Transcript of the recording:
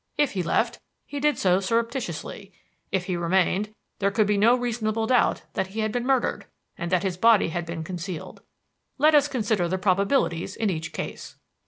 If he left, he did so surreptitiously; if he remained, there could be no reasonable doubt that he had been murdered and that his body had been concealed. Let us consider the probabilities in each case.